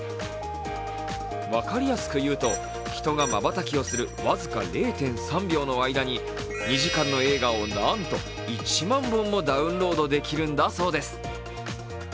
分かりやすく言うと、人がまばたきをする僅か０．３秒の間に２時間の映画をなんと１万本もダウンロードできるんだそうです。